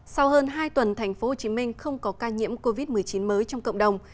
sau hơn hai tuần thành phố hồ chí minh không có ca nhiễm covid một mươi chín mới trong cộng đồng